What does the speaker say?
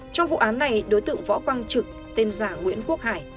trong vụ án này đối tượng võ quang trực tên giả nguyễn quốc hải